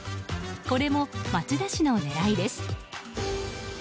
これも町田市の狙いです。